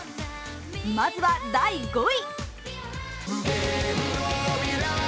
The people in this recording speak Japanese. まずは第５位。